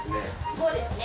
そうですね。